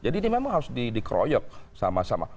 jadi ini memang harus dikeroyok sama sama